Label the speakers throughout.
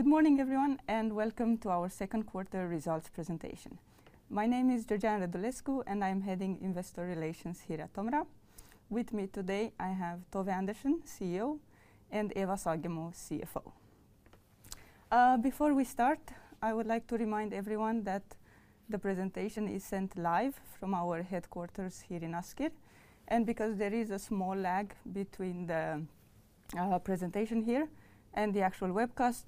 Speaker 1: Good morning, everyone, and welcome to our second quarter results presentation. My name is Georgiana Radulescu, and I'm heading Investor Relations here at TOMRA. With me today, I have Tove Andersen, CEO, and Eva Sagemo, CFO. Before we start, I would like to remind everyone that the presentation is sent live from our headquarters here in Asker. Because there is a small lag between the presentation here and the actual webcast,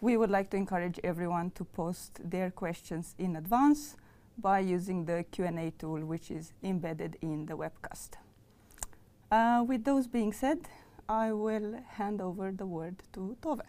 Speaker 1: we would like to encourage everyone to post their questions in advance by using the Q&A tool, which is embedded in the webcast. With those being said, I will hand over the word to Tove.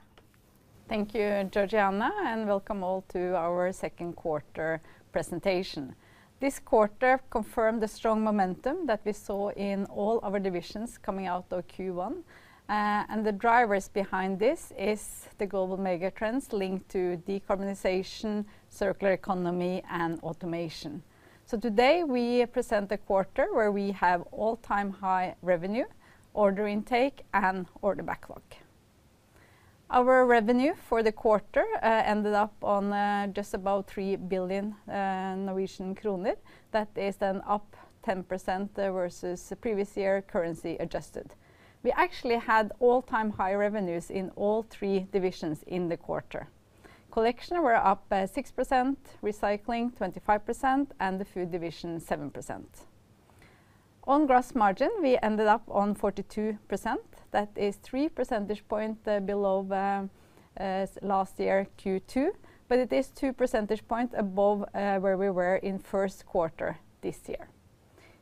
Speaker 2: Thank you, Georgiana, and welcome all to our second quarter presentation. This quarter confirmed the strong momentum that we saw in all our divisions coming out of Q1. The drivers behind this is the global mega trends linked to decarbonization, circular economy, and automation. Today, we present a quarter where we have all-time high revenue, order intake, and order backlog. Our revenue for the quarter ended up on just about 3 billion Norwegian kroner. That is then up 10% there versus the previous year currency adjusted. We actually had all-time high revenues in all three divisions in the quarter. Collection were up 6%, Recycling 25%, and the Food division 7%. On gross margin, we ended up on 42%. That is three percentage points below the last year Q2, but it is two percentage points above where we were in first quarter this year.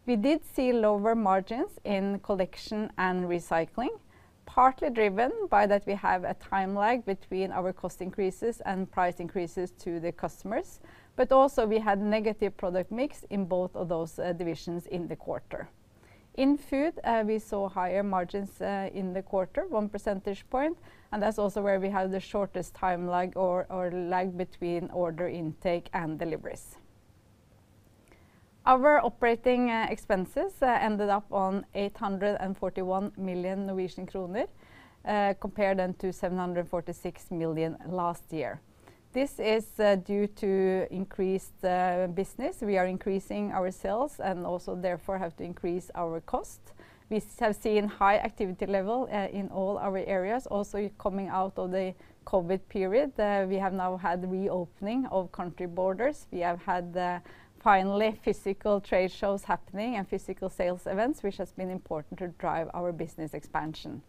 Speaker 2: We did see lower margins in Collection and Recycling, partly driven by that we have a time lag between our cost increases and price increases to the customers. Also we had negative product mix in both of those divisions in the quarter. In Food, we saw higher margins in the quarter, one percentage point, and that's also where we have the shortest time lag or lag between order intake and deliveries. Our operating expenses ended up on 841 million Norwegian kroner compared then to 746 million last year. This is due to increased business. We are increasing our sales and also therefore have to increase our cost. We have seen high activity level in all our areas, also coming out of the COVID period. We have now had reopening of country borders. We have had finally physical trade shows happening and physical sales events, which has been important to drive our business expansion.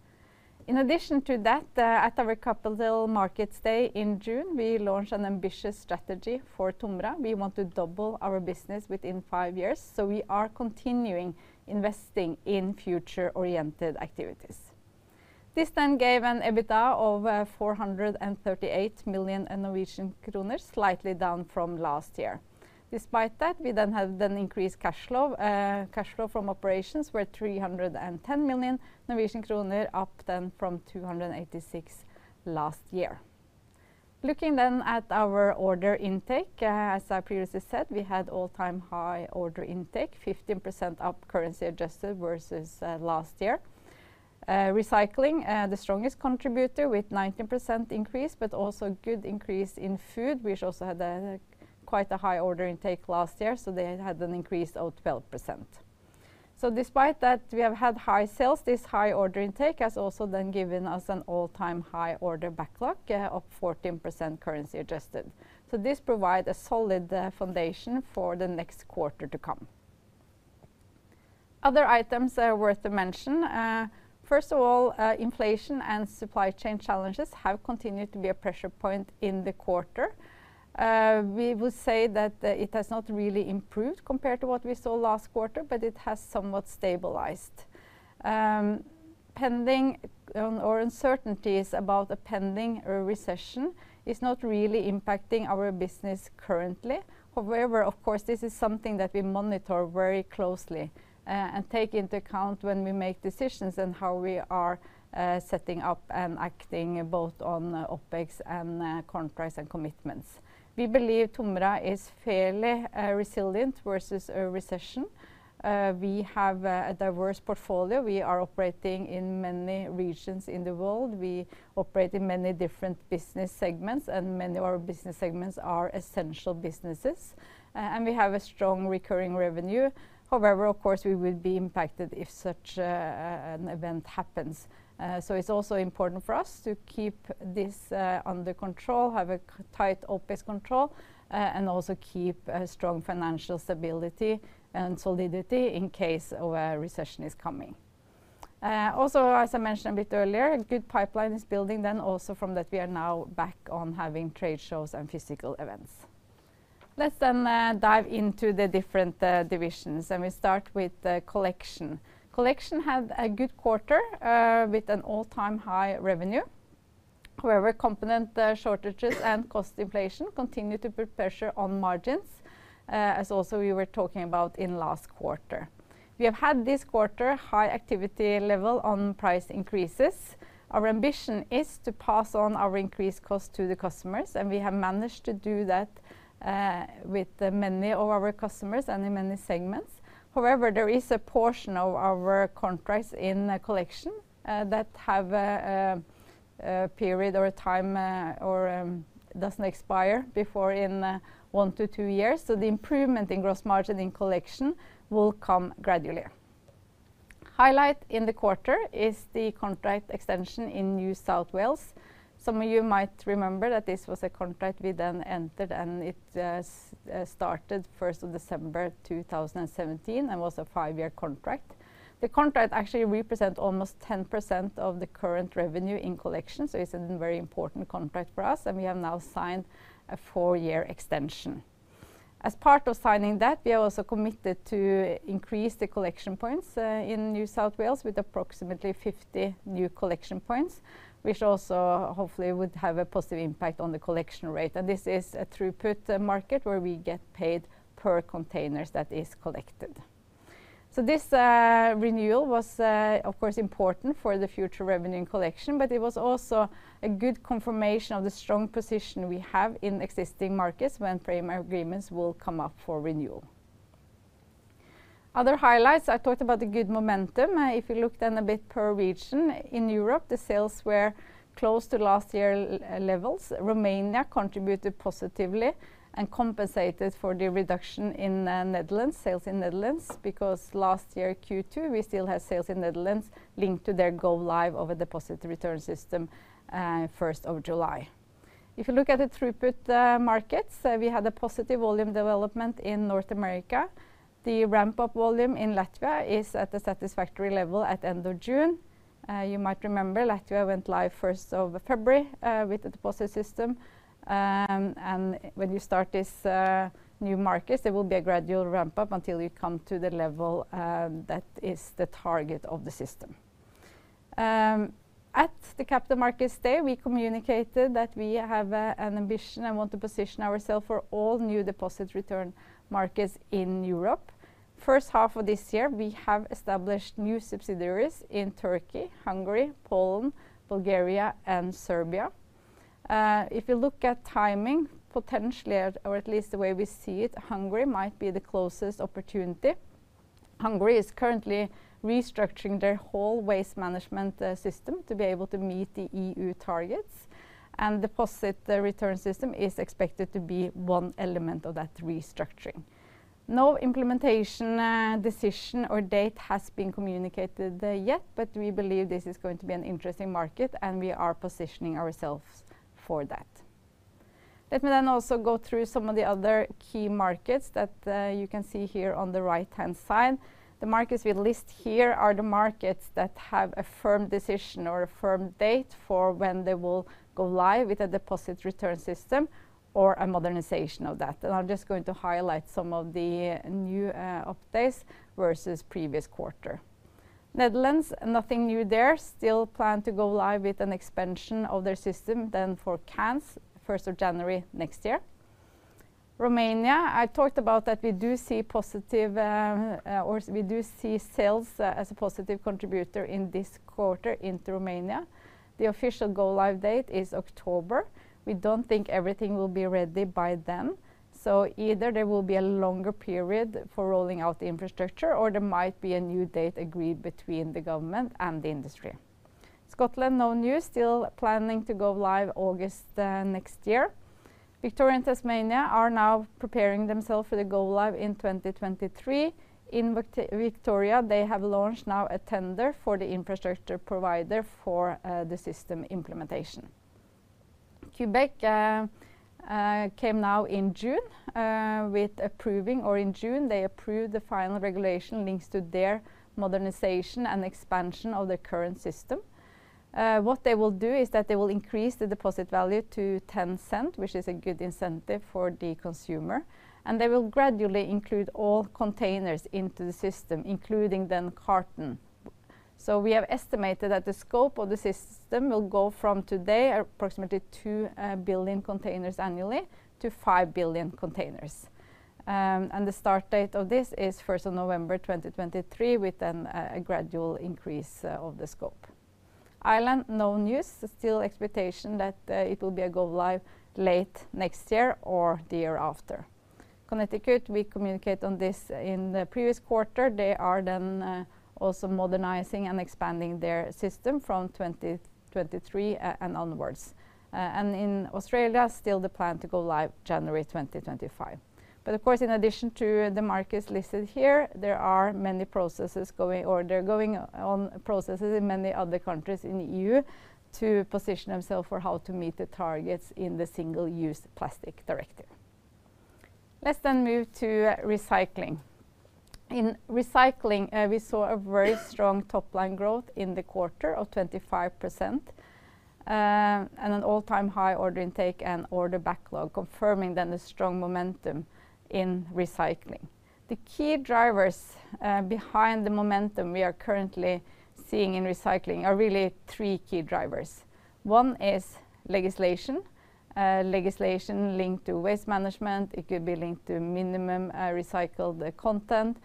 Speaker 2: In addition to that, at our Capital Markets Day in June, we launched an ambitious strategy for TOMRA. We want to double our business within five years, so we are continuing investing in future-oriented activities. This then gave an EBITDA of 438 million Norwegian kroner, slightly down from last year. Despite that, we have increased cash flow. Cash flow from operations were 310 million Norwegian kroner, up then from 286 last year. Looking at our order intake, as I previously said, we had all-time high order intake, 15% up currency adjusted versus last year. Recycling the strongest contributor with 19% increase, but also good increase in Food, which also had quite a high order intake last year, so they had an increase of 12%. Despite that we have had high sales, this high order intake has also then given us an all-time high order backlog of 14% currency adjusted. This provide a solid foundation for the next quarter to come. Other items worth a mention. First of all, inflation and supply chain challenges have continued to be a pressure point in the quarter. We will say that it has not really improved compared to what we saw last quarter, but it has somewhat stabilized. Pending uncertainties about a pending recession is not really impacting our business currently. However, of course, this is something that we monitor very closely and take into account when we make decisions and how we are setting up and acting both on OpEx and CapEx and commitments. We believe TOMRA is fairly resilient versus a recession. We have a diverse portfolio. We are operating in many regions in the world. We operate in many different business segments, and many of our business segments are essential businesses. We have a strong recurring revenue. However, of course, we will be impacted if such an event happens. It's also important for us to keep this under control, have a tight OpEx control, and also keep a strong financial stability and solidity in case of a recession is coming. As I mentioned a bit earlier, a good pipeline is building then also from that we are now back on having trade shows and physical events. Let's dive into the different divisions, and we start with the Collection. Collection had a good quarter with an all-time high revenue. However, component shortages and cost inflation continued to put pressure on margins. As we also were talking about in last quarter. We have had this quarter high activity level on price increases. Our ambition is to pass on our increased cost to the customers, and we have managed to do that, with many of our customers and in many segments. However, there is a portion of our contracts in collection that have a period or a time that doesn't expire before, in one to two years, so the improvement in gross margin in collection will come gradually. A highlight in the quarter is the contract extension in New South Wales. Some of you might remember that this was a contract we then entered, and it started first of December 2017 and was a five-year contract. The contract actually represents almost 10% of the current revenue in collection, so it's a very important contract for us, and we have now signed a four-year extension. As part of signing that, we also committed to increase the collection points in New South Wales with approximately 50 new collection points, which also, hopefully, would have a positive impact on the collection rate. This is a throughput market where we get paid per containers that is collected. This renewal was, of course, important for the future revenue and collection, but it was also a good confirmation of the strong position we have in existing markets when frame agreements will come up for renewal. Other highlights, I talked about the good momentum. If you looked then a bit per region, in Europe, the sales were close to last year levels. Romania contributed positively and compensated for the reduction in Netherlands sales in Netherlands, because last year Q2, we still had sales in Netherlands linked to their go live of a deposit return system first of July. If you look at the throughput markets, we had a positive volume development in North America. The ramp-up volume in Latvia is at a satisfactory level at end of June. You might remember Latvia went live first of February with the deposit system. When you start this new markets, there will be a gradual ramp-up until you come to the level that is the target of the system. At the Capital Markets Day, we communicated that we have an ambition and want to position ourself for all new deposit return markets in Europe. First half of this year, we have established new subsidiaries in Turkey, Hungary, Poland, Bulgaria, and Serbia. If you look at timing, potentially, or at least the way we see it, Hungary might be the closest opportunity. Hungary is currently restructuring their whole waste management system to be able to meet the EU targets, and deposit return system is expected to be one element of that restructuring. No implementation decision or date has been communicated yet, but we believe this is going to be an interesting market, and we are positioning ourselves for that. Let me also go through some of the other key markets that you can see here on the right-hand side. The markets we list here are the markets that have a firm decision or a firm date for when they will go live with a deposit return system or a modernization of that. I'm just going to highlight some of the new updates versus previous quarter. Netherlands, nothing new there. Still plan to go live with an expansion of their system then for cans first of January next year. Romania, I talked about that we do see sales as a positive contributor in this quarter into Romania. The official go live date is October. We don't think everything will be ready by then. Either there will be a longer period for rolling out the infrastructure or there might be a new date agreed between the government and the industry. Scotland, no news. Still planning to go live August next year. Victoria and Tasmania are now preparing themselves for the go live in 2023. In Victoria, they have launched now a tender for the infrastructure provider for the system implementation. Quebec came now in June with approving or in June, they approved the final regulation links to their modernization and expansion of their current system. What they will do is that they will increase the deposit value to $0.10, which is a good incentive for the consumer. They will gradually include all containers into the system, including then carton. We have estimated that the scope of the system will go from today approximately two billion containers annually to five billion containers. The start date of this is 1st of November 2023 with then a gradual increase of the scope. Ireland, no news. Still expectation that it will be a go live late next year or the year after. Connecticut, we communicate on this in the previous quarter. They are then also modernizing and expanding their system from 2023 and onwards. In Australia, still the plan to go live January 2025. Of course, in addition to the markets listed here, there are many processes going or they're going on processes in many other countries in the EU to position themselves for how to meet the targets in the Single-Use Plastics Directive. Let's move to recycling. In recycling, we saw a very strong top line growth in the quarter of 25%, and an all-time high order intake and order backlog, confirming then the strong momentum in recycling. The key drivers behind the momentum we are currently seeing in recycling are really three key drivers. One is legislation. Legislation linked to waste management, it could be linked to minimum recycled content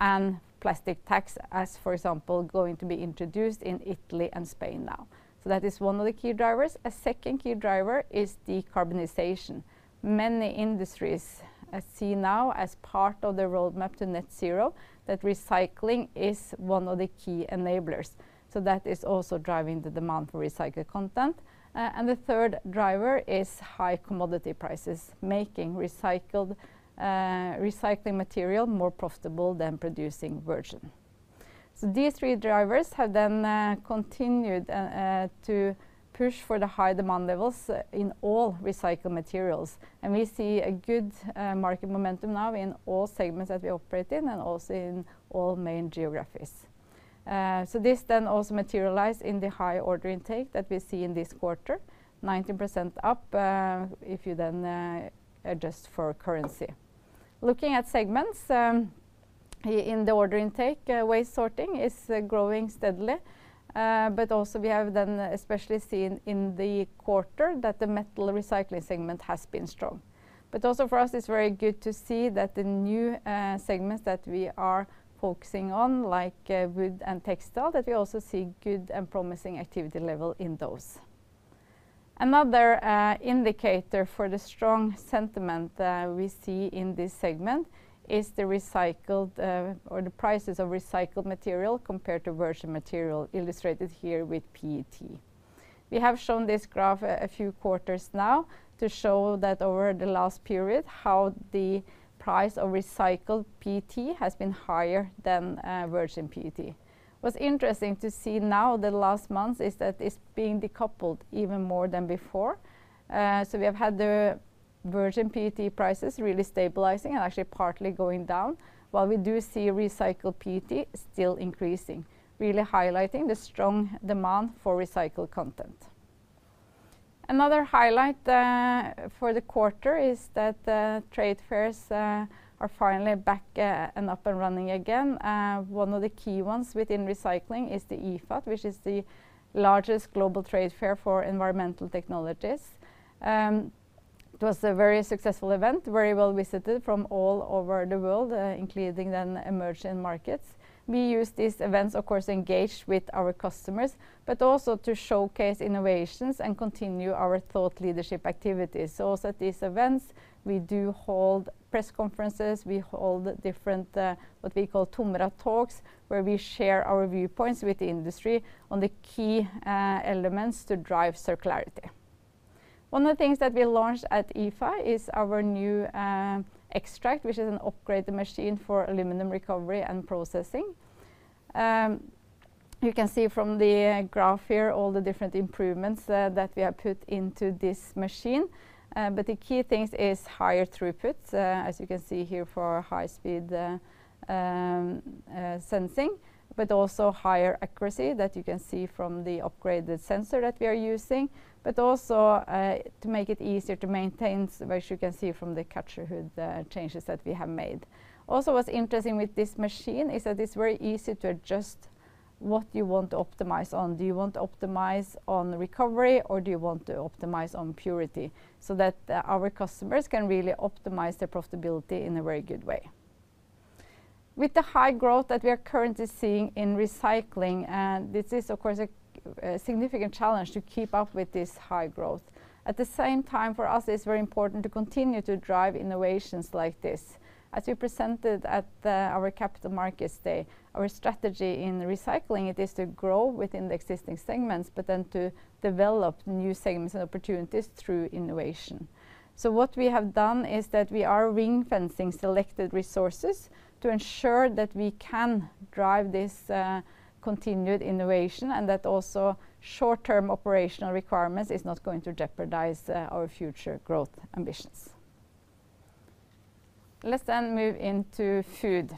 Speaker 2: and plastic tax as, for example, going to be introduced in Italy and Spain now. So that is one of the key drivers. A second key driver is decarbonization. Many industries see now as part of the roadmap to net zero that recycling is one of the key enablers, so that is also driving the demand for recycled content. And the third driver is high commodity prices, making recycling material more profitable than producing virgin. These three drivers have then continued to push for the high demand levels in all recycled materials, and we see a good market momentum now in all segments that we operate in and also in all main geographies. This then also materialize in the high order intake that we see in this quarter, 19% up, if you then adjust for currency. Looking at segments, in the order intake, waste sorting is growing steadily. Also we have then especially seen in the quarter that the metal recycling segment has been strong. Also for us it's very good to see that the new segments that we are focusing on, like wood and textile, that we also see good and promising activity level in those. Another indicator for the strong sentiment we see in this segment is the prices of recycled material compared to virgin material illustrated here with PET. We have shown this graph a few quarters now to show that over the last period, how the price of recycled PET has been higher than virgin PET. What's interesting to see in the last months is that it's being decoupled even more than before. We have had the virgin PET prices really stabilizing and actually partly going down, while we do see recycled PET still increasing, really highlighting the strong demand for recycled content. Another highlight for the quarter is that the trade fairs are finally back and up and running again. One of the key ones within recycling is the IFAT, which is the largest global trade fair for environmental technologies. It was a very successful event, very well visited from all over the world, including the emerging markets. We use these events, of course, engage with our customers, but also to showcase innovations and continue our thought leadership activities. Also at these events, we do hold press conferences, we hold different, what we call TOMRA Talks, where we share our viewpoints with the industry on the key elements to drive circularity. One of the things that we launched at IFAT is our new X-TRACT, which is an upgraded machine for aluminum recovery and processing. You can see from the graph here all the different improvements that we have put into this machine. The key things is higher throughputs, as you can see here, for high speed sensing, but also higher accuracy that you can see from the upgraded sensor that we are using. Also, to make it easier to maintain, which you can see from the catcher hood changes that we have made. Also, what's interesting with this machine is that it's very easy to adjust what you want to optimize on. Do you want to optimize on recovery or do you want to optimize on purity? That our customers can really optimize their profitability in a very good way. With the high growth that we are currently seeing in recycling, and this is of course a significant challenge to keep up with this high growth. At the same time, for us, it's very important to continue to drive innovations like this. As we presented at our Capital Markets Day, our strategy in recycling is to grow within the existing segments, but then to develop new segments and opportunities through innovation. What we have done is that we are ring-fencing selected resources to ensure that we can drive this continued innovation and that also short-term operational requirements is not going to jeopardize our future growth ambitions. Let's move into food.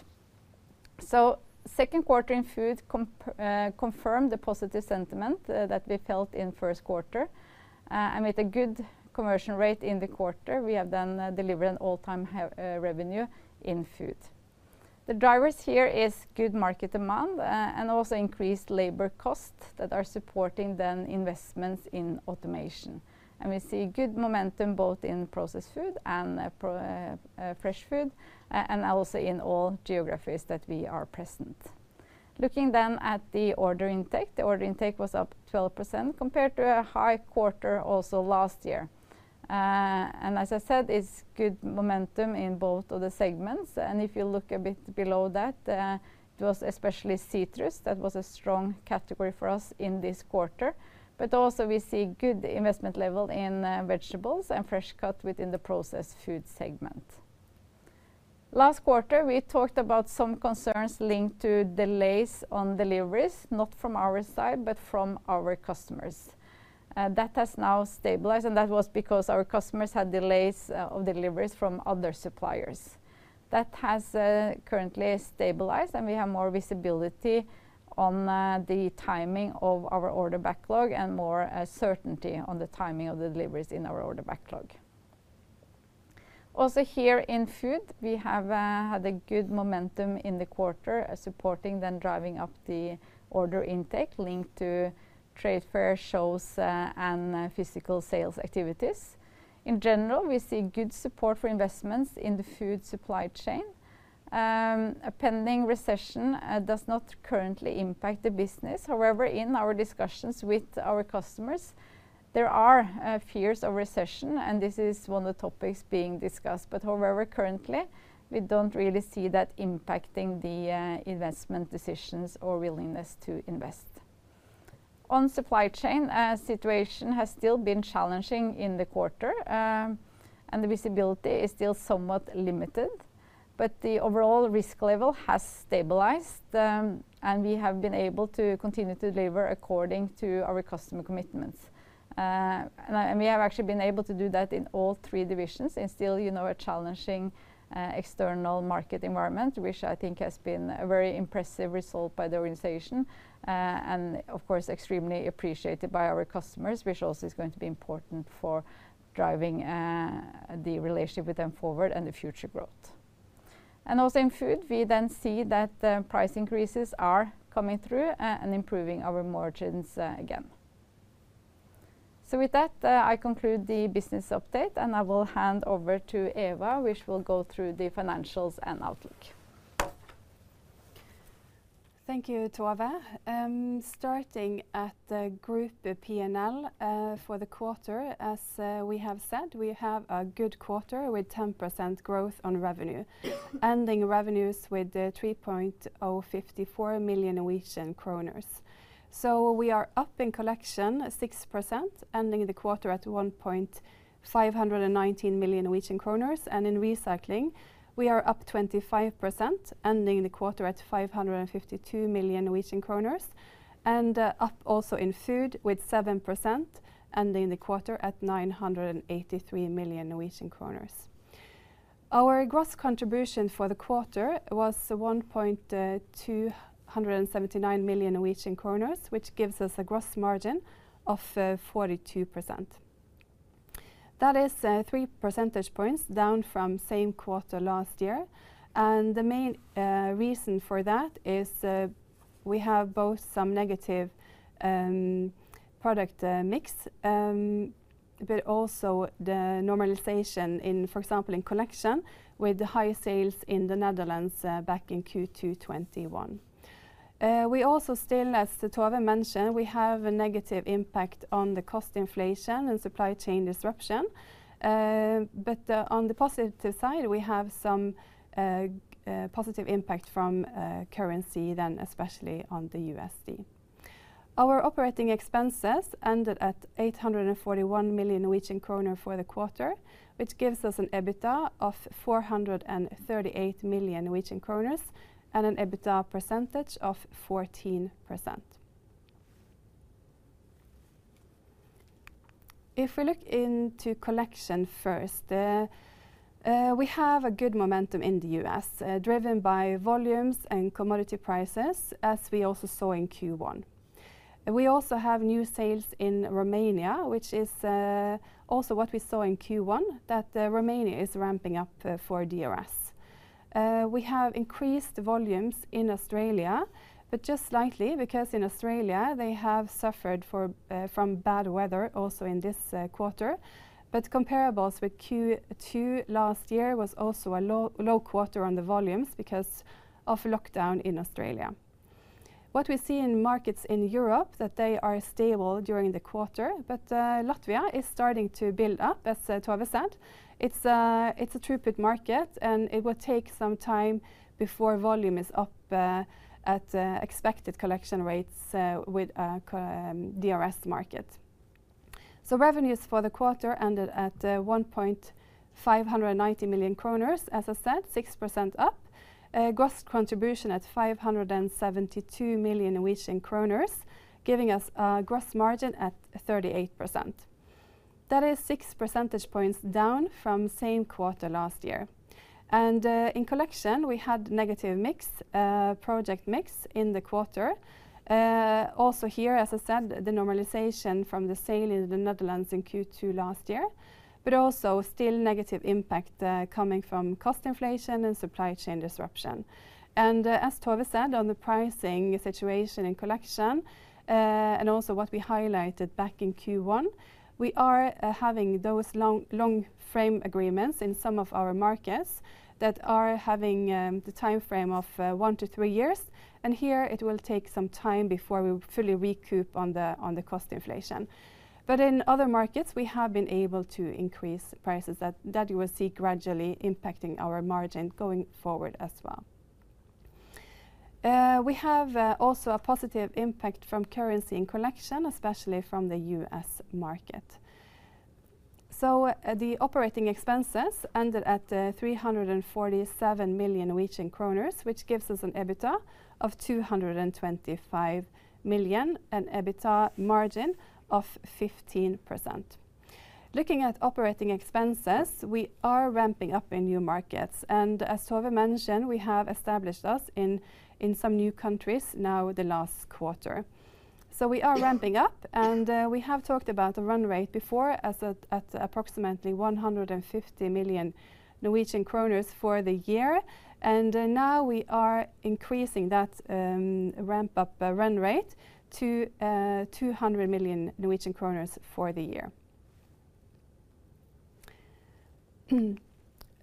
Speaker 2: Second quarter in food confirmed the positive sentiment that we felt in first quarter. With a good conversion rate in the quarter, we have then delivered an all-time high revenue in food. The drivers here is good market demand, and also increased labor costs that are supporting the investments in automation. We see good momentum both in processed food and fresh food and also in all geographies that we are present. Looking then at the order intake, the order intake was up 12% compared to a high quarter also last year. As I said, it's good momentum in both of the segments. If you look a bit below that, it was especially citrus that was a strong category for us in this quarter. Also we see good investment level in vegetables and fresh cut within the processed food segment. Last quarter, we talked about some concerns linked to delays on deliveries, not from our side, but from our customers. That has now stabilized, and that was because our customers had delays of deliveries from other suppliers. That has currently stabilized, and we have more visibility on the timing of our order backlog and more certainty on the timing of the deliveries in our order backlog. Also here in food, we have had a good momentum in the quarter, supporting then driving up the order intake linked to trade fair shows, and physical sales activities. In general, we see good support for investments in the food supply chain. A pending recession does not currently impact the business. However, in our discussions with our customers, there are fears of recession, and this is one of the topics being discussed. But however, currently, we don't really see that impacting the investment decisions or willingness to invest. On supply chain situation has still been challenging in the quarter, and the visibility is still somewhat limited, but the overall risk level has stabilized, and we have been able to continue to deliver according to our customer commitments. We have actually been able to do that in all three divisions and still, you know, a challenging external market environment, which I think has been a very impressive result by the organization, and of course extremely appreciated by our customers, which also is going to be important for driving the relationship with them forward and the future growth. Also in food, we then see that price increases are coming through and improving our margins again. With that, I conclude the business update, and I will hand over to Eva, which will go through the financials and outlook.
Speaker 3: Thank you, Tove. Starting at the group P&L for the quarter, as we have said, we have a good quarter with 10% growth on revenue, ending revenues with 3,054 million Norwegian kroner. We are up in collection 6%, ending the quarter at 1,519 million Norwegian kroner. In recycling, we are up 25%, ending the quarter at 552 million Norwegian kroner. Up also in food with 7%, ending the quarter at 983 million Norwegian kroner. Our gross contribution for the quarter was 1,279 million Norwegian kroner, which gives us a gross margin of 42%. That is three percentage points down from same quarter last year. The main reason for that is we have both some negative product mix but also the normalization in, for example, collection with the high sales in the Netherlands back in Q2 2021. We also still, as Tove mentioned, have a negative impact from the cost inflation and supply chain disruption. On the positive side, we have some positive impact from currency then especially on the USD. Our operating expenses ended at 841 million Norwegian kroner for the quarter, which gives us an EBITDA of 438 million Norwegian kroner and an EBITDA percentage of 14%. If we look into collection first, we have a good momentum in the U.S., driven by volumes and commodity prices, as we also saw in Q1. We also have new sales in Romania, which is also what we saw in Q1, that Romania is ramping up for DRS. We have increased volumes in Australia, but just slightly because in Australia they have suffered from bad weather also in this quarter. Comparables with Q2 last year was also a low quarter on the volumes because of lockdown in Australia. What we see in markets in Europe, that they are stable during the quarter, but Latvia is starting to build up, as Tove said. It's a throughput market, and it will take some time before volume is up at expected collection rates with DRS market. Revenues for the quarter ended at 159 million kroner, as I said, 6% up. Gross contribution at 572 million Norwegian kroner, giving us a gross margin at 38%. That is six percentage points down from same quarter last year. In collection, we had negative mix, project mix in the quarter. Also here, as I said, the normalization from the sale in the Netherlands in Q2 last year, but also still negative impact coming from cost inflation and supply chain disruption. As Tove said on the pricing situation in collection, and also what we highlighted back in Q1, we are having those long frame agreements in some of our markets that are having the timeframe of one to three years. Here it will take some time before we fully recoup on the cost inflation. In other markets, we have been able to increase prices that you will see gradually impacting our margin going forward as well. We have also a positive impact from currency in Collection, especially from the US market. The operating expenses ended at 347 million Norwegian kroner, which gives us an EBITDA of 225 million and EBITDA margin of 15%. Looking at operating expenses, we are ramping up in new markets, and as Tove mentioned, we have established ourselves in some new countries in the last quarter. We are ramping up, and we have talked about the run rate before as at approximately 150 million Norwegian kroner for the year. Now we are increasing that ramp-up run rate to 200 million Norwegian kroner for the year.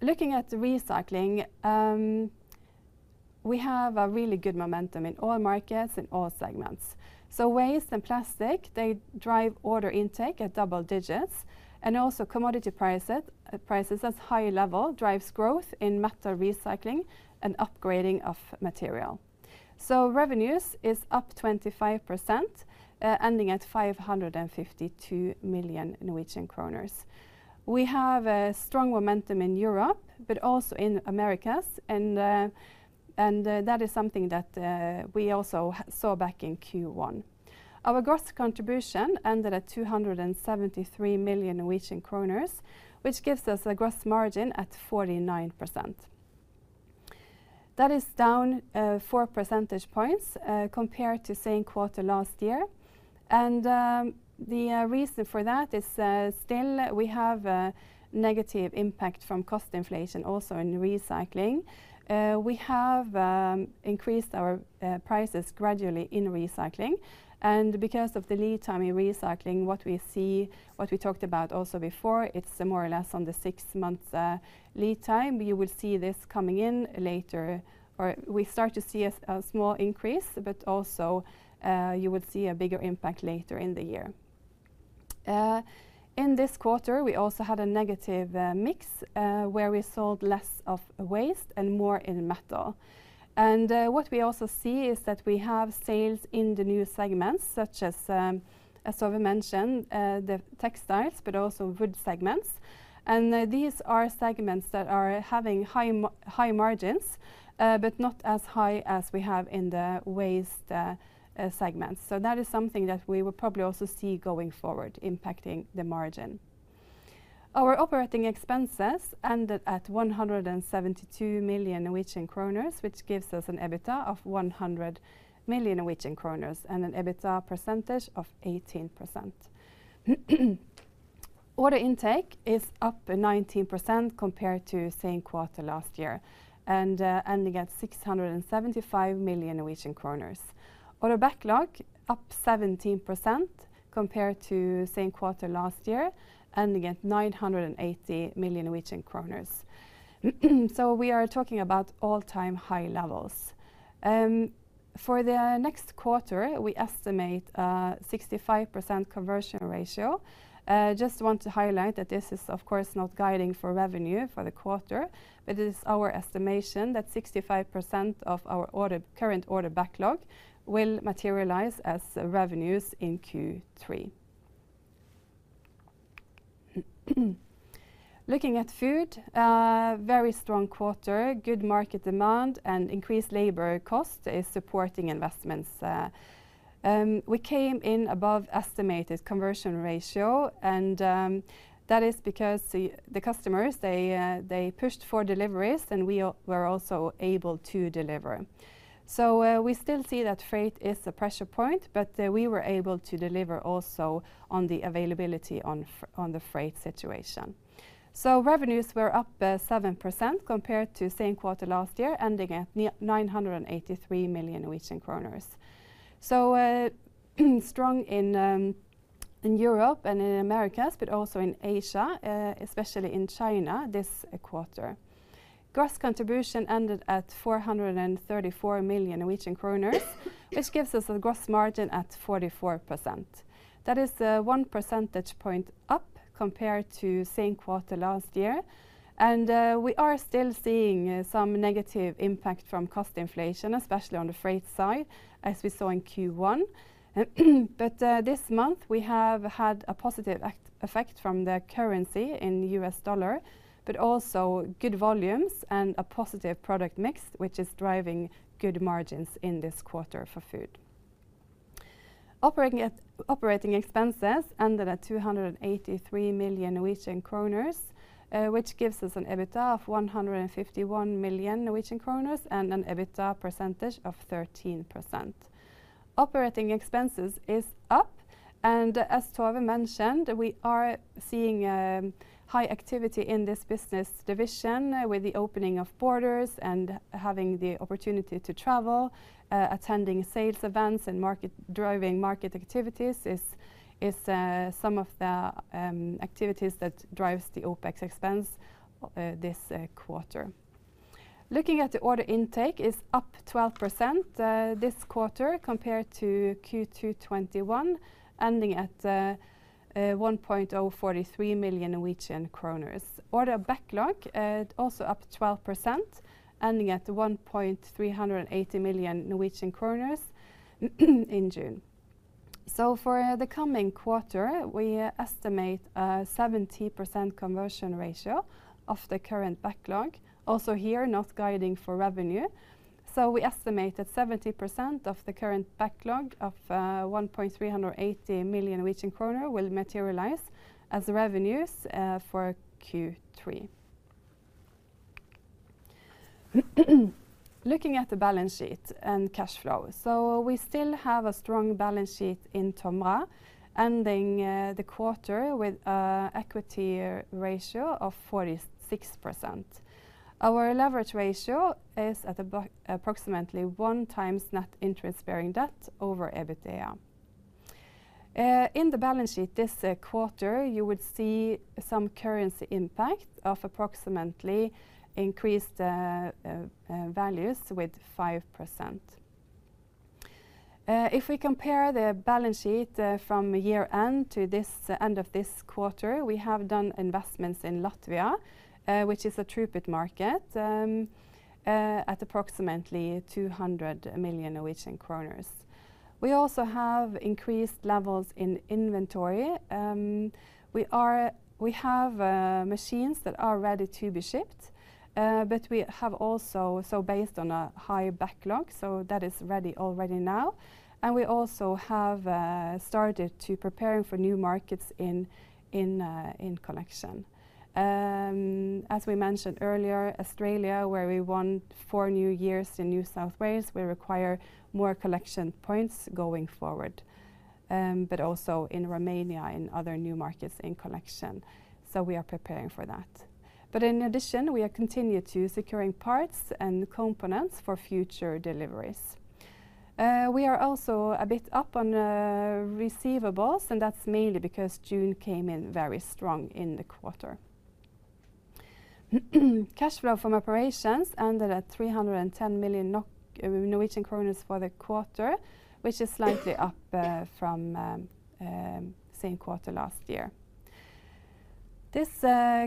Speaker 3: Looking at the recycling, we have a really good momentum in all markets and all segments. Waste and plastic, they drive order intake at double digits, and also commodity price at prices as high level drives growth in metal recycling and upgrading of material. Revenues is up 25%, ending at 552 million Norwegian kroner. We have a strong momentum in Europe, but also in Americas, and that is something that we also saw back in Q1. Our gross contribution ended at 273 million Norwegian kroner, which gives us a gross margin at 49%. That is down four percentage points compared to same quarter last year. The reason for that is still we have a negative impact from cost inflation also in recycling. We have increased our prices gradually in recycling, and because of the lead time in recycling, what we see, what we talked about also before, it's more or less on the six months lead time. You will see this coming in later, or we start to see a small increase, but also you would see a bigger impact later in the year. In this quarter, we also had a negative mix where we sold less of waste and more in metal. What we also see is that we have sales in the new segments such as Tove mentioned, the textiles, but also wood segments. These are segments that are having high margins, but not as high as we have in the waste segments. That is something that we will probably also see going forward impacting the margin. Our operating expenses ended at 172 million Norwegian kroner, which gives us an EBITDA of 100 million Norwegian kroner and an EBITDA percentage of 18%. Order intake is up 19% compared to same quarter last year and ending at 675 million Norwegian kroner. Order backlog up 17% compared to same quarter last year, ending at 980 million Norwegian kroner. We are talking about all-time high levels. For the next quarter, we estimate 65% conversion ratio. Just want to highlight that this is, of course, not guiding for revenue for the quarter, but it is our estimation that 65% of our current order backlog will materialize as revenues in Q3. Looking at food, a very strong quarter, good market demand and increased labor cost is supporting investments. We came in above estimated conversion ratio, and that is because the customers, they pushed for deliveries, and we were also able to deliver. We still see that freight is a pressure point, but we were able to deliver also on the availability on the freight situation. Revenues were up 7% compared to same quarter last year, ending at 983 million Norwegian kroner. Strong in Europe and in Americas, but also in Asia, especially in China this quarter. Gross contribution ended at 434 million Norwegian kroner, which gives us a gross margin at 44%. That is one percentage point up compared to same quarter last year. We are still seeing some negative impact from cost inflation, especially on the freight side, as we saw in Q1. This month, we have had a positive effect from the currency in US dollar, but also good volumes and a positive product mix, which is driving good margins in this quarter for food. Operating expenses ended at 283 million Norwegian kroner, which gives us an EBITDA of 151 million Norwegian kroner and an EBITDA percentage of 13%. Operating expenses is up, and as Tove mentioned, we are seeing high activity in this business division with the opening of borders and having the opportunity to travel, attending sales events and driving market activities is some of the activities that drives the OpEx expense this quarter. Looking at the order intake is up 12% this quarter compared to Q2 2021, ending at 1.043 million Norwegian kroner. Order backlog also up 12%, ending at 1.380 million Norwegian kroner in June. For the coming quarter, we estimate a 70% conversion ratio of the current backlog, also here not guiding for revenue. We estimate that 70% of the current backlog of 138 million Norwegian kroner will materialize as revenues for Q3. Looking at the balance sheet and cash flow. We still have a strong balance sheet in TOMRA ending the quarter with equity ratio of 46%. Our leverage ratio is at approximately 1x net interest-bearing debt over EBITDA. In the balance sheet this quarter, you would see some currency impact of approximately increased values with 5%. If we compare the balance sheet from year-end to the end of this quarter, we have done investments in Latvia, which is a growth market, at approximately 200 million Norwegian kroner. We also have increased levels in inventory. We have machines that are ready to be shipped, but we have also based on a high backlog that is ready already now. We also have started preparing for new markets in collection. As we mentioned earlier, Australia, where we won four new areas in New South Wales, will require more collection points going forward, but also in Romania and other new markets in collection, so we are preparing for that. In addition, we are continuing to secure parts and components for future deliveries. We are also a bit up on receivables, and that's mainly because June came in very strong in the quarter. Cash flow from operations ended at 310 million for the quarter, which is slightly up from same quarter last year. This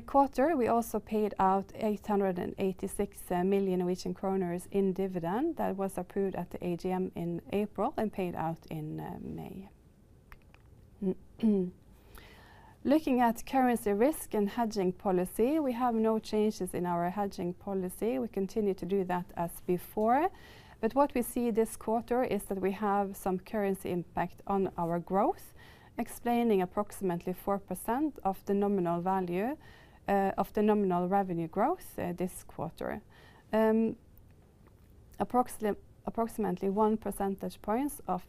Speaker 3: quarter, we also paid out 886 million Norwegian kroner in dividend that was approved at the AGM in April and paid out in May. Looking at currency risk and hedging policy, we have no changes in our hedging policy. We continue to do that as before. What we see this quarter is that we have some currency impact on our growth, explaining approximately 4% of the nominal value of the nominal revenue growth this quarter. Approximately one percentage points of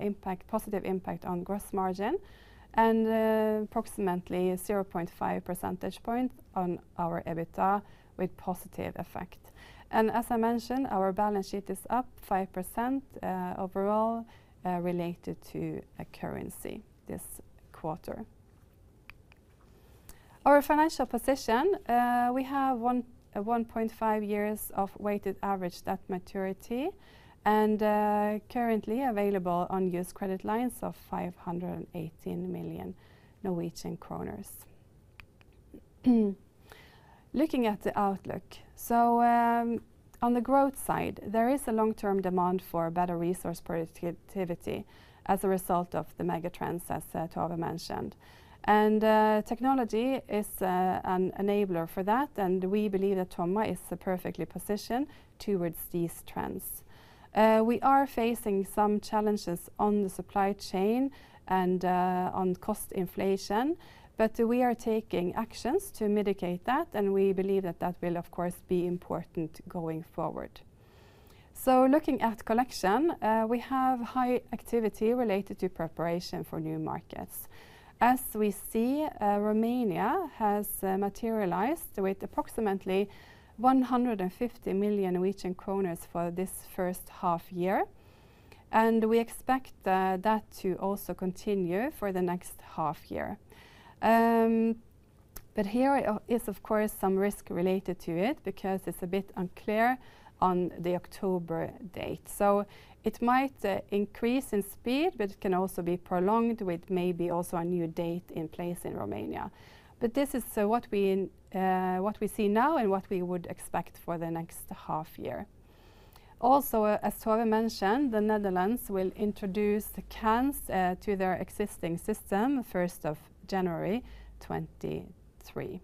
Speaker 3: impact, positive impact on gross margin and approximately 0.5 percentage points on our EBITDA with positive effect. As I mentioned, our balance sheet is up 5%, overall, related to a currency this quarter. Our financial position, we have 1.5 years of weighted average debt maturity and currently available unused credit lines of 518 million Norwegian kroner. Looking at the outlook. On the growth side, there is a long-term demand for better resource productivity as a result of the mega trends, as Tove mentioned. Technology is an enabler for that, and we believe that TOMRA is perfectly positioned towards these trends. We are facing some challenges on the supply chain and on cost inflation, but we are taking actions to mitigate that, and we believe that that will, of course, be important going forward. Looking at collection, we have high activity related to preparation for new markets. As we see, Romania has materialized with approximately 150 million Norwegian kroner for this first half year, and we expect that to also continue for the next half year. Here is of course some risk related to it because it's a bit unclear on the October date. It might increase in speed, but it can also be prolonged with maybe also a new date in place in Romania. This is what we see now and what we would expect for the next half year. Also, as Tove mentioned, the Netherlands will introduce the cans to their existing system first of January 2023.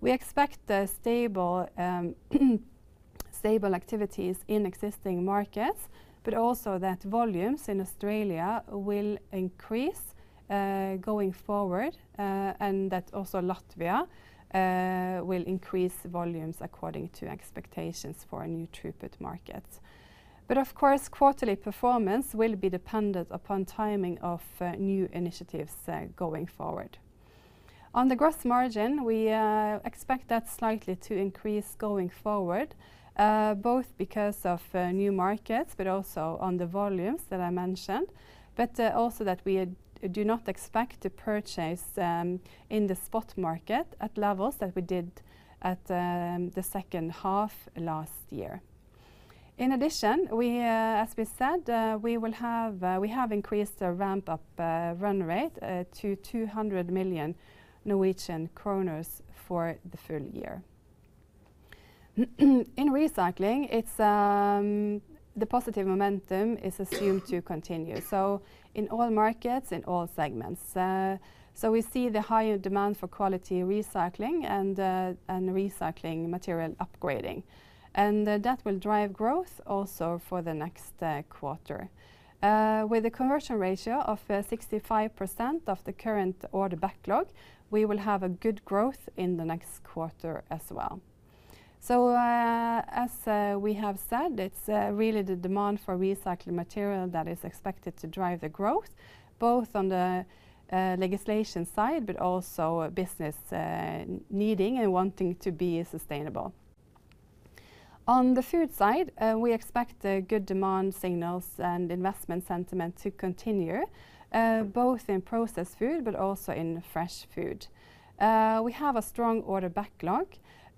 Speaker 3: We expect stable activities in existing markets, but also that volumes in Australia will increase going forward, and that also Latvia will increase volumes according to expectations for a new throughput market. Of course, quarterly performance will be dependent upon timing of new initiatives going forward. On the gross margin, we expect that slightly to increase going forward, both because of new markets, but also on the volumes that I mentioned, but also that we do not expect to purchase in the spot market at levels that we did at the second half last year. In addition, as we said, we have increased the ramp-up run rate to 200 million Norwegian kroner for the full year. In recycling, it's the positive momentum is assumed to continue, so in all markets, in all segments. We see the higher demand for quality recycling and recycling material upgrading, and that will drive growth also for the next quarter. With a conversion ratio of 65% of the current order backlog, we will have a good growth in the next quarter as well. As we have said, it's really the demand for recycling material that is expected to drive the growth both on the legislation side, but also a business needing and wanting to be sustainable. On the food side, we expect good demand signals and investment sentiment to continue both in processed food but also in fresh food. We have a strong order backlog,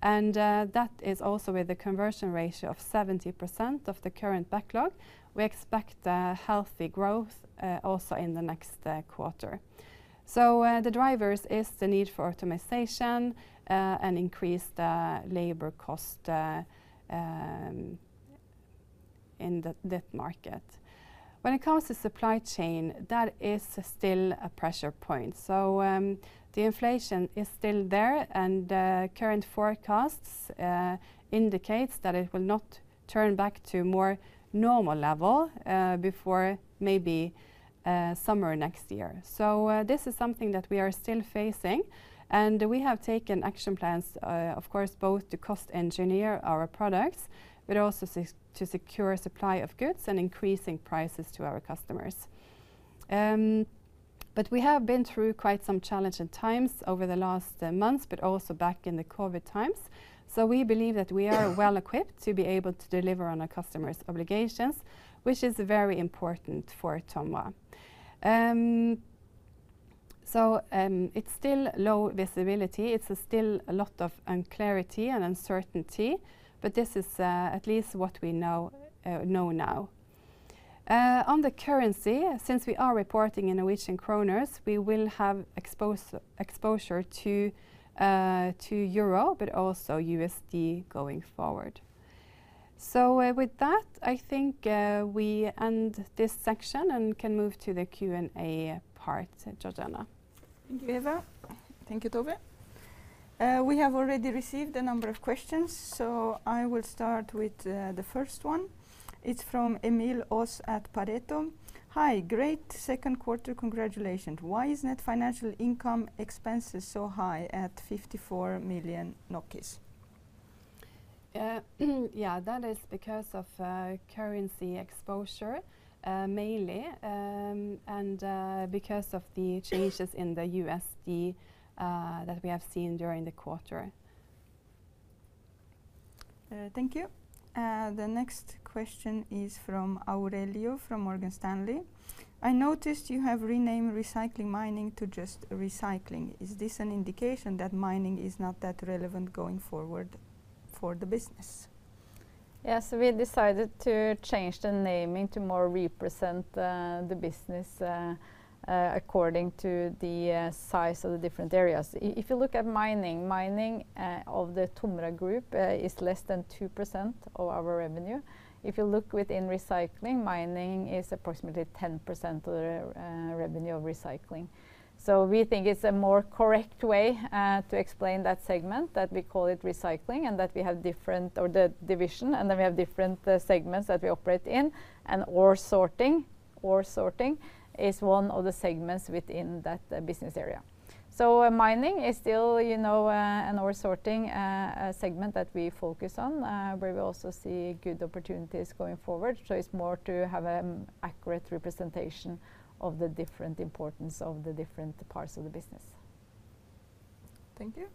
Speaker 3: and that is also with the conversion ratio of 70% of the current backlog. We expect a healthy growth also in the next quarter. The drivers is the need for automation and increased labor cost in the market. When it comes to supply chain, that is still a pressure point. The inflation is still there, and current forecasts indicates that it will not turn back to more normal level before maybe summer next year. This is something that we are still facing, and we have taken action plans of course both to cost-engineer our products but also to secure supply of goods and increasing prices to our customers. We have been through quite some challenging times over the last months but also back in the COVID times, so we believe that we are well-equipped to be able to deliver on our customers' obligations, which is very important for TOMRA. It's still low visibility. It's still a lot of unclarity and uncertainty, but this is at least what we know now. On the currency, since we are reporting in Norwegian kroner, we will have exposure to euro, but also USD going forward. With that, I think we end this section and can move to the Q&A part, Georgiana.
Speaker 1: Thank you, Eva. Thank you, Tove. We have already received a number of questions, so I will start with the first one. It's from Emil Oss at Pareto. "Hi. Great second quarter. Congratulations. Why is net financial income expenses so high at 54 million?
Speaker 3: Yeah, that is because of currency exposure, mainly, and because of the changes in the USD that we have seen during the quarter.
Speaker 1: The next question is from Aurelio from Morgan Stanley. "I noticed you have renamed Recycling & Mining to just Recycling. Is this an indication that mining is not that relevant going forward for the business?
Speaker 2: Yes, we decided to change the naming to more represent the business according to the size of the different areas. If you look at mining of the TOMRA Group is less than 2% of our revenue. If you look within recycling, mining is approximately 10% of the revenue of recycling. We think it's a more correct way to explain that segment, that we call it recycling, and that we have different or the division, and then we have different segments that we operate in, and ore sorting. Ore sorting is one of the segments within that business area. Mining is still, you know, an ore-sorting segment that we focus on where we also see good opportunities going forward. It's more to have accurate representation of the different importance of the different parts of the business.
Speaker 1: Thank you.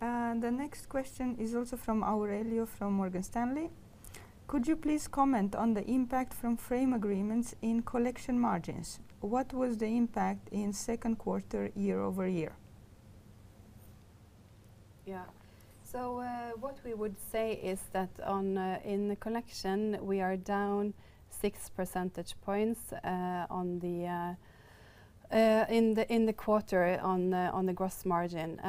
Speaker 1: The next question is also from Aurelio from Morgan Stanley. "Could you please comment on the impact from frame agreements in collection margins? What was the impact in second quarter year-over-year?
Speaker 3: Yeah. What we would say is that in the collection, we are down six percentage points in the quarter on the gross margin.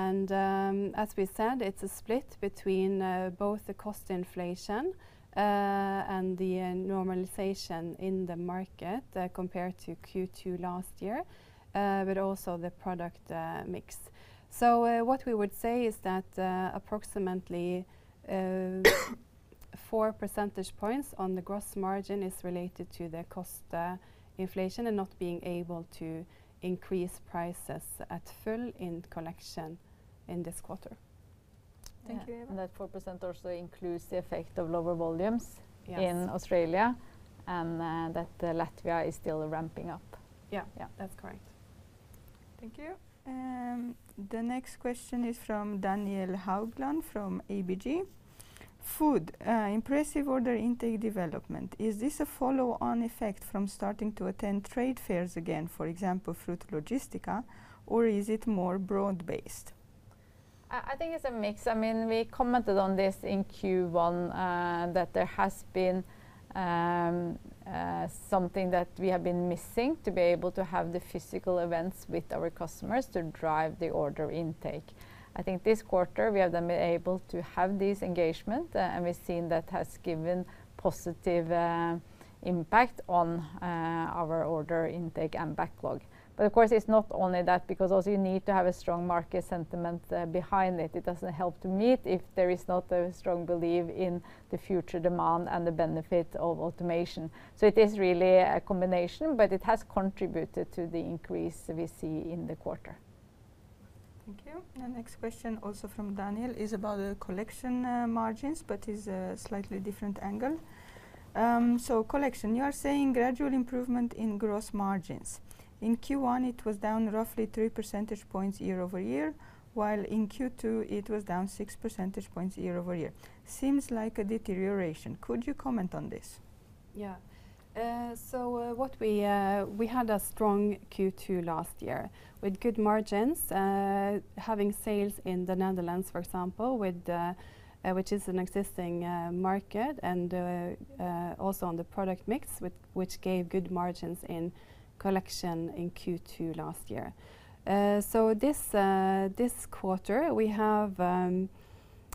Speaker 3: As we said, it's a split between both the cost inflation and the normalization in the market compared to Q2 last year, but also the product mix. What we would say is that approximately four percentage points on the gross margin is related to the cost inflation and not being able to increase prices in full in collection in this quarter.
Speaker 1: Thank you, Eva.
Speaker 2: That 4% also includes the effect of lower volumes.
Speaker 3: Yes
Speaker 2: In Australia, and, that Latvia is still ramping up.
Speaker 3: Yeah.
Speaker 2: Yeah.
Speaker 3: That's correct.
Speaker 1: Thank you. The next question is from Daniel Haugland from ABG. "Food, impressive order intake development. Is this a follow-on effect from starting to attend trade fairs again, for example, Fruit Logistica, or is it more broad-based?
Speaker 2: I think it's a mix. I mean, we commented on this in Q1, that there has been something that we have been missing to be able to have the physical events with our customers to drive the order intake. I think this quarter we have then been able to have this engagement, and we've seen that has given positive impact on our order intake and backlog. Of course, it's not only that because also you need to have a strong market sentiment behind it. It doesn't help to meet if there is not a strong belief in the future demand and the benefit of automation. It is really a combination, but it has contributed to the increase we see in the quarter.
Speaker 1: Thank you. The next question also from Daniel is about the collection margins, but it's a slightly different angle. Collection. You are saying gradual improvement in gross margins. In Q1, it was down roughly three percentage points year-over-year, while in Q2, it was down six percentage points year-over-year. Seems like a deterioration. Could you comment on this?
Speaker 3: We had a strong Q2 last year with good margins, having sales in the Netherlands, for example, which is an existing market and also on the product mix, which gave good margins in collection in Q2 last year. This quarter, we have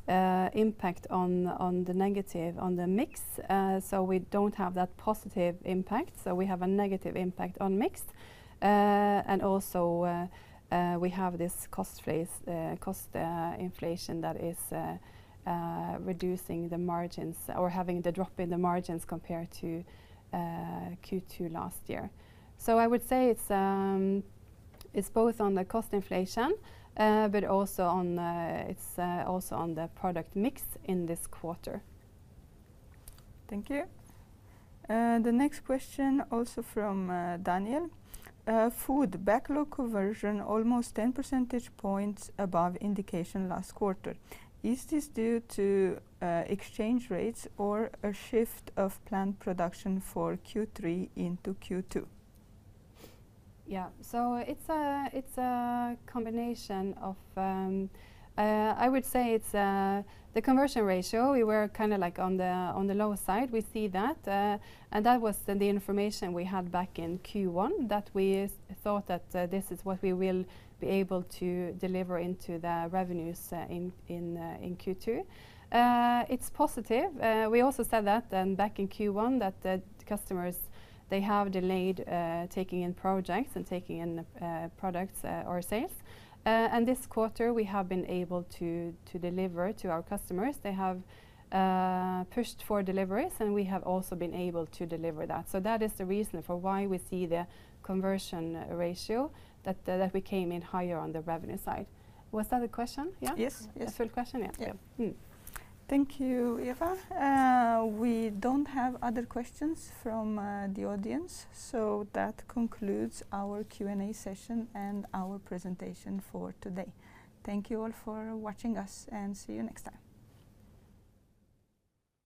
Speaker 3: negative impact on the mix. We don't have that positive impact, so we have a negative impact on mix. Also, we have this cost inflation that is reducing the margins or having the drop in the margins compared to Q2 last year. I would say it's both on the cost inflation, but also on the product mix in this quarter.
Speaker 1: Thank you. The next question also from Daniel. Food backlog conversion almost 10 percentage points above indication last quarter. Is this due to exchange rates or a shift of planned production for Q3 into Q2?
Speaker 3: Yeah. It's a combination of, I would say it's the conversion ratio. We were kinda like on the lower side. We see that, and that was the information we had back in Q1 that we thought that this is what we will be able to deliver into the revenues in Q2. It's positive. We also said that back in Q1, that the customers they have delayed taking in projects and taking in products or sales. And this quarter, we have been able to deliver to our customers. They have pushed for deliveries, and we have also been able to deliver that. That is the reason for why we see the conversion ratio that we came in higher on the revenue side. Was that the question? Yeah?
Speaker 1: Yes. Yes.
Speaker 3: The full question, yeah.
Speaker 1: Yeah.
Speaker 3: Mm.
Speaker 1: Thank you, Eva. We don't have other questions from the audience, so that concludes our Q&A session and our presentation for today. Thank you all for watching us and see you next time.